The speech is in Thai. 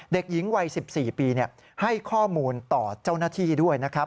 เด็กหญิงวัย๑๔ปีให้ข้อมูลต่อเจ้าหน้าที่ด้วยนะครับ